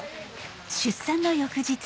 出産の翌日。